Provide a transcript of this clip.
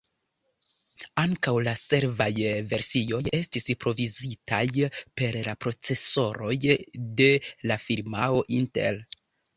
Ankaŭ la sekvaj versioj estis provizitaj per la procesoroj de la firmao Intel.